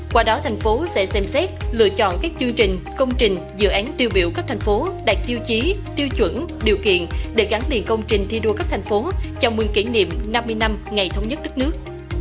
qua đó thành phố sẽ xem xét lựa chọn các chương trình công trình dự án tiêu biểu các thành phố đạt tiêu chí tiêu chuẩn điều kiện để gắn liền công trình thi đua các thành phố chào mừng kỷ niệm năm mươi năm ngày thống nhất đất nước